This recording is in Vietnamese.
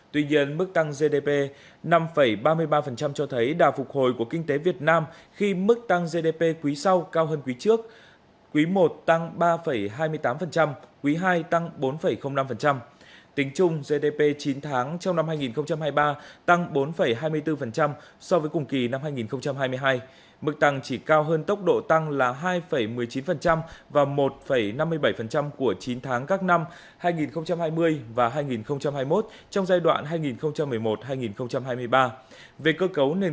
tuy nhiên mức tăng gdp năm ba mươi ba so với cùng kỳ năm ngoài chỉ cao hơn tốc độ tăng của cùng kỳ các năm hai nghìn hai mươi và hai nghìn hai mươi một trong giai đoạn hai nghìn một mươi một hai nghìn hai mươi ba